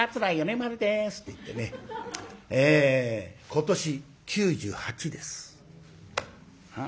今年９８です。